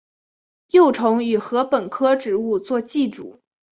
幼虫以禾本科植物作寄主。